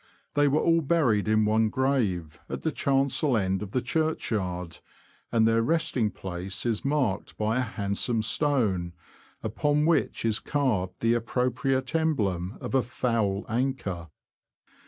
They were all buried in one grave, at the chancel end of the churchyard, and their resting place is marked by a handsome stone, upon which is carved the appro priate emblem of a " foul anchor."